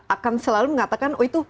akan selalu mengatakan oh itu